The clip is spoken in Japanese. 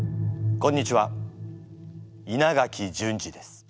こんにちは稲垣淳二です。